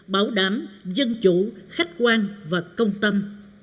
bảo đảm dân chủ khách quan và công tâm